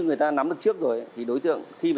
người ta nắm được trước rồi thì đối tượng khi mà